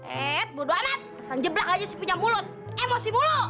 eh bodo amat kesan jeblak aja si punya mulut emosi mulu